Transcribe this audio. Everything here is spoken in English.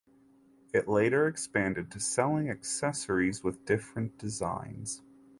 It later expanded to selling accessories with different designs.